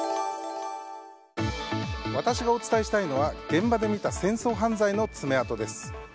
私がお伝えしたいのは現場で見た戦争犯罪の爪痕です。